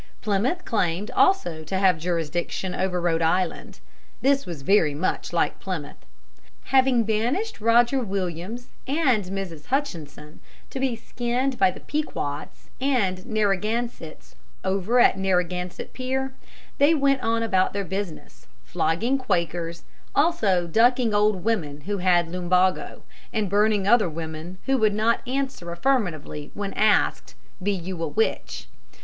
Plymouth claimed also to have jurisdiction over Rhode Island. This was very much like Plymouth. Having banished Roger Williams and Mrs. Hutchinson to be skinned by the Pequods and Narragansetts over at Narragansett Pier, they went on about their business, flogging Quakers, also ducking old women who had lumbago, and burning other women who would not answer affirmatively when asked, "Be you a witch?"